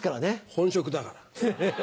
本職だから。